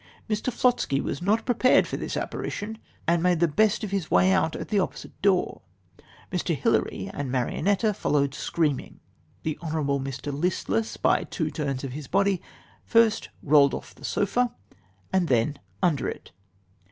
Mr. Flosky was not prepared for this apparition, and made the best of his way out at the opposite door. Mr. Hilary and Marionetta followed screaming. The honourable Mr. Listless, by two turns of his body, first rolled off the sofa and then under it.